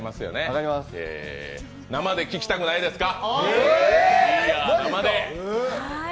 生で聴きたくないですか？